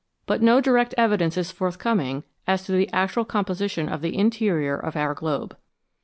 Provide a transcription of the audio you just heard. But no direct evidence is forthcoming as to the actual composition of the interior of our globe.